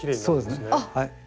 そうですね。